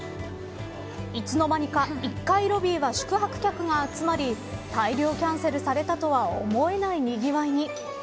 いつの間にか１階ロビーには宿泊客が集まり大量キャンセルされたとは思えないにぎわいに。